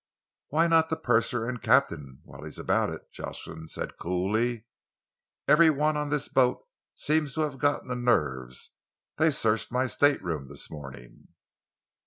"Why not the purser and captain, while he's about it?" Jocelyn said coolly. "Every one on this boat seems to have got the nerves. They searched my stateroom this morning."